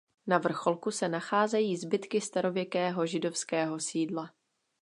Na vrcholku se nacházejí zbytky starověkého židovského sídla.